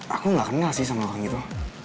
aku gak kenal sih sama orang gitu